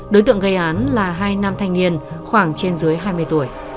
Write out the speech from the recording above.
đối tượng gây án là hai nam thanh niên khoảng trên dưới hai mươi tuổi